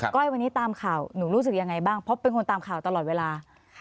้อยวันนี้ตามข่าวหนูรู้สึกยังไงบ้างเพราะเป็นคนตามข่าวตลอดเวลา